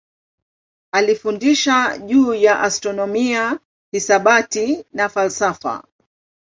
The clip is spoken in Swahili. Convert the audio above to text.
Alifundisha juu ya astronomia, hisabati na falsafa.